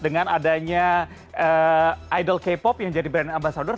dengan adanya idol k pop yang jadi brand ambasador